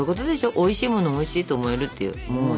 おいしいものをおいしいと思えるっていう。